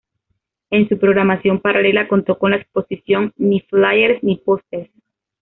En su programación paralela contó con la exposición "Ni flyers, ni pósters.